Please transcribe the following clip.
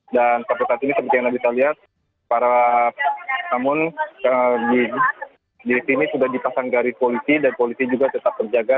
dan seperti yang anda bisa lihat para namun di sini sudah dipasang garis politik dan politik juga tetap terjaga